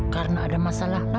karena ada masalah